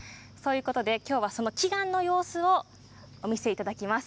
今日はその祈願の様子をお見せいただきます。